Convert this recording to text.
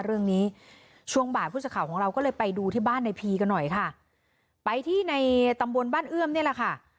เรื่องนี้ช่วงบ่ายผู้สื่อข่าวของเราก็เลยไปดูที่บ้านในพีกันหน่อยค่ะไปที่ในตำบลบ้านเอื้อมนี่แหละค่ะ